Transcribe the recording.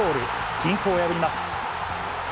均衡を破ります。